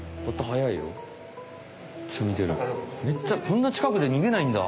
こんなちかくで逃げないんだ。